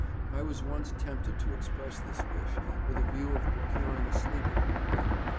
I was once tempted to express this wish with a view of procuring a sleeping draught.